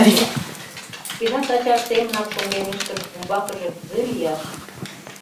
Шкежат ачаж семынак шоҥгемеш гын, умбакыже кузе лияш?